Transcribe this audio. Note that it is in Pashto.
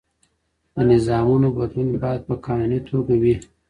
د نظامونو بدلون باید په قانوني توګه وي.